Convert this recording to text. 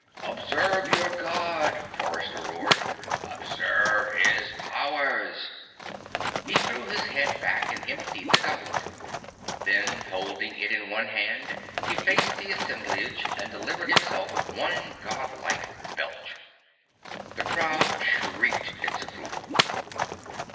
"Observe your God!" Forrester roared. "Observe his powers!" He threw his head back and emptied the goblet. Then, holding it in one hand, he faced the assemblage and delivered himself of one Godlike belch. The crowd shrieked its approval.